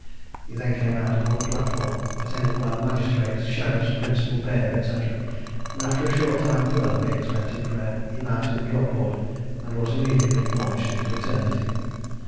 He then came out upon the platform, attended by the magistrates, sheriffs, Principal Baird, &c. and after a short time further being spent in prayer, he mounted the drop board, and was immediately launched into eternity.